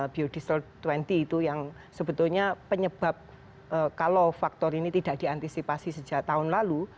biodiesel dua puluh itu yang sebetulnya penyebab kalau faktor ini tidak diantisipasi sejak tahun lalu